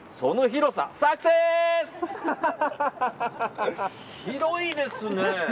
広いですね。